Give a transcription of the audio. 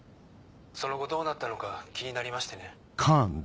その後どうなったのか気になりましてね。